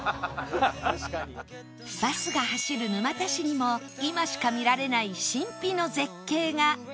バスが走る沼田市にも今しか見られない神秘の絶景が